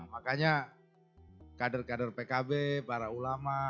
makanya kader kader pkb para ulama